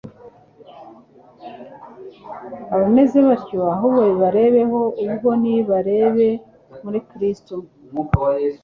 Abameze batyo, aho kwirebaho ubwabo nibarebe kuri Kristo.